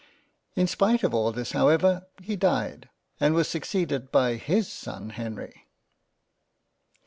In spite of all this however he died, and was succeeded by his son Henry.